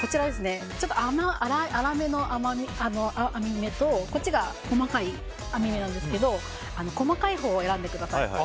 粗めの網目と細かい網目なんですけど細かいほうを選んでください。